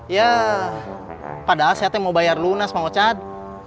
ya padahal saya tuh mau bayar lunas mau chad